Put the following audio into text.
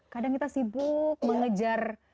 kadang kita sibuk mengejar